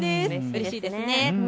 うれしいですね。